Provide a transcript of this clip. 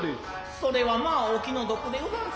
それはまァお気の毒でござんす。